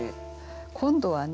今度はね